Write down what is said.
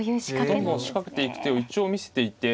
どんどん仕掛けていく手を一応見せていて。